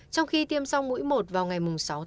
trong khi tiêm xong mũi một vào ngày sáu một mươi một